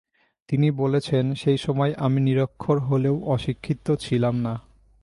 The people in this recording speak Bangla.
তিনি বলেছেন, "সেই সময় আমি নিরক্ষর হলেও অশিক্ষিত ছিলাম না।